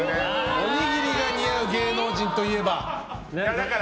おにぎりが似合う芸能人といえば？